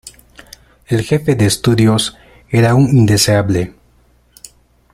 El jefe de estudios era un indeseable.